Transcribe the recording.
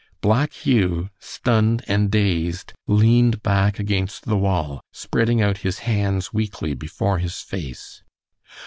Black Hugh, stunned and dazed, leaned back against the wall, spreading out his hands weakly before his face.